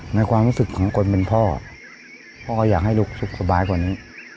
ในความรู้สึกของคนเป็นพ่อพ่ออยากให้ลูกสุขสบายกว่านี้